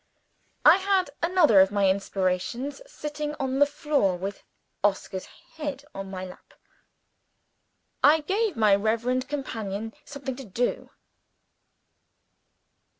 I had another of my inspirations sitting on the floor with Oscar's head on my lap. I gave my reverend companion something to do.